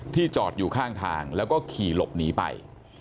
จอดอยู่ข้างทางแล้วก็ขี่หลบหนีไป